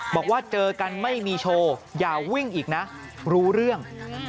บอกว่าเจอกันไม่มีโชว์อย่าวิ่งอีกนะรู้เรื่อง